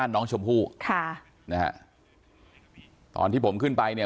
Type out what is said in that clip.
น้องชมพู่ค่ะนะฮะตอนที่ผมขึ้นไปเนี่ย